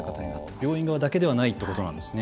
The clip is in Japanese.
病院側だけではないということなんですね。